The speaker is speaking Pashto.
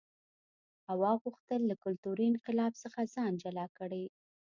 هوا غوښتل له کلتوري انقلاب څخه ځان جلا کړي.